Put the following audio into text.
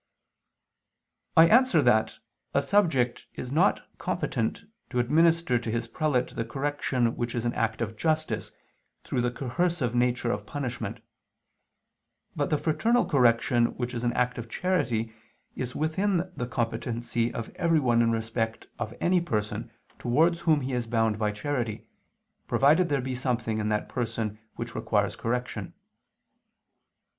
I answer that, A subject is not competent to administer to his prelate the correction which is an act of justice through the coercive nature of punishment: but the fraternal correction which is an act of charity is within the competency of everyone in respect of any person towards whom he is bound by charity, provided there be something in that person which requires correction.